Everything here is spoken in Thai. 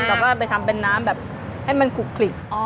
เราก็ไปทำเป็นน้ำแบบให้มันขลุก